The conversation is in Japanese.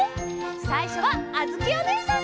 さいしょはあづきおねえさんと！